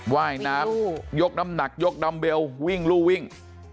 ว่ายน้ำยกน้ำหนักยกดำเบลวิ่งลู่วิ่ง